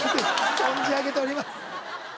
存じ上げております